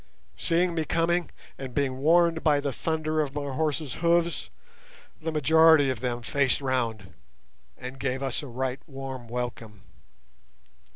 Seeing me coming, and being warned by the thunder of my horses' hoofs, the majority of them faced round, and gave us a right warm welcome.